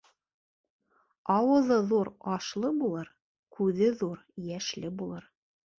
Ауыҙы ҙур ашлы булыр, күҙе ҙур йәшле булыр.